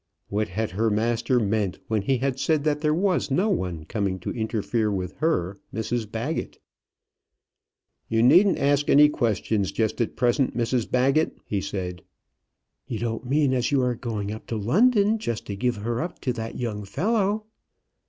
What had her master meant when he had said that there was no one coming to interfere with her, Mrs Baggett? "You needn't ask any questions just at present, Mrs Baggett," he said. "You don't mean as you are going up to London just to give her up to that young fellow?"